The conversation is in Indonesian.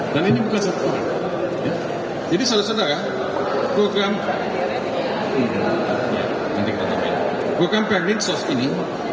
dan ini bukan satu orang jadi saudara saudara program pemirsa ini